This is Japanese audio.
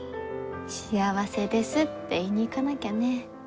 幸せですって言いに行かなきゃね。